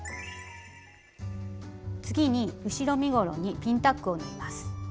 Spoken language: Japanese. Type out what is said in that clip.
次に後ろ身ごろにピンタックを縫います。